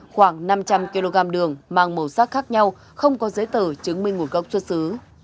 khoảng năm trăm linh kg đường mang màu sắc khác nhau không có giấy tờ chứng minh nguồn gốc xuất xứ